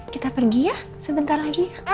kita pergi ya sebentar lagi